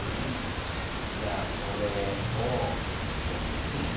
じゃあこれをよし。